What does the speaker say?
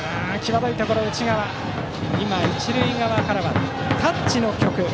今、一塁側からは「タッチ」の曲。